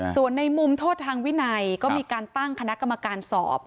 ส่วนในมุมโทษทางวินัยก็มีการตั้งคณะกรรมการสอบ